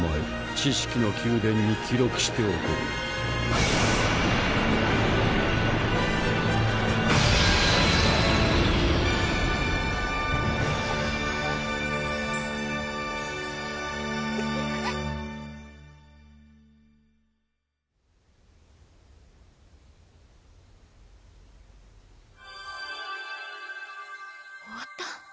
知識の宮殿に記録しておこう終わった？